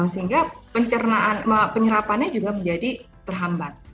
sehingga pencernaan penyerapannya juga menjadi terhambat